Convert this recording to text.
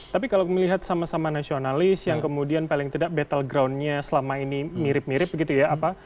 tapi kalau melihat sama sama nasionalis yang kemudian paling tidak battle groundnya selama ini mirip mirip begitu ya